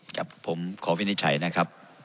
ครับผมขอวินิจฉัยนะครับ